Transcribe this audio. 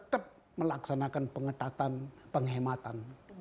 tetap melaksanakan pengetatan penghematan